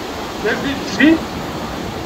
D ajdid kečči?